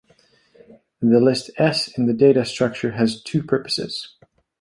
The list "s" in the data structure has two purposes.